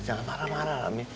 jangan marah marah mami